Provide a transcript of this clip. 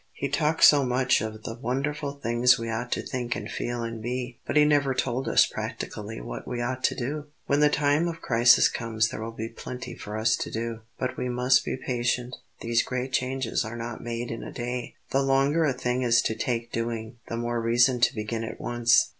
He talked so much of the wonderful things we ought to think and feel and be, but he never told us practically what we ought to do." "When the time of crisis comes there will be plenty for us to do; but we must be patient; these great changes are not made in a day." "The longer a thing is to take doing, the more reason to begin at once.